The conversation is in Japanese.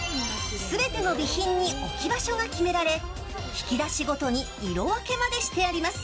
全ての備品に置き場所が決められ引き出しごとに色分けまでしてあります。